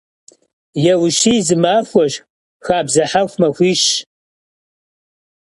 Yêuşiy zı maxueş, xabze hexu maxuişş.